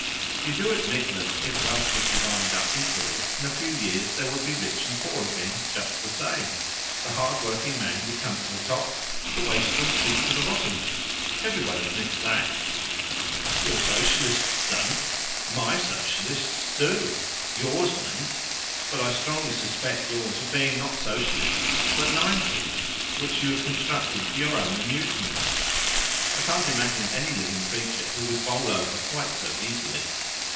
"You do admit that, if wealth was divided up equally, in a few years there would be rich and poor again just the same. The hard working man would come to the top, the wastrel sink to the bottom." "Every one admits that." "Your Socialists don't." "My Socialists do. Yours mayn't; but I strongly suspect yours of being not Socialists, but ninepins, which you have constructed for your own amusement. I can't imagine any living creature who would bowl over quite so easily."